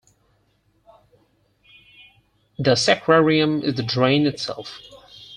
The sacrarium is the drain itself.